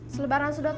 selebaran sudut wc